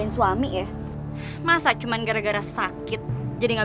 sampai jumpa di video selanjutnya